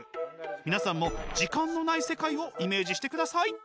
皆さんも「時間のない世界」をイメージしてください！